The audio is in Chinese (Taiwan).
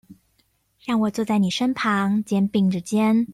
讓我坐在妳身旁，肩並著肩